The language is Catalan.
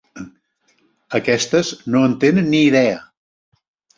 Aquestes no en tenen ni idea.